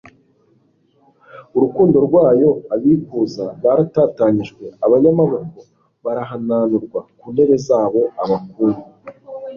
urukundo rwayo. abikuza baratatanyijwe, abanyamaboko bahantanurwa ku ntebe zabo, abakungu